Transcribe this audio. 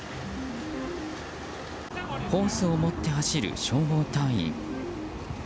ホースを持って走る消防隊員。